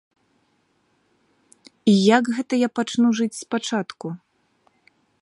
І як гэта я пачну жыць спачатку?